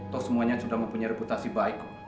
toh semuanya sudah mempunyai reputasi baik